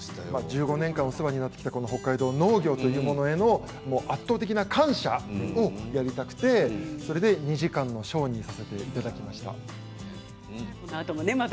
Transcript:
１５年間お世話になった北海道農業の圧倒的な感謝をやりたくてそれで２時間のショーにさせていただきました。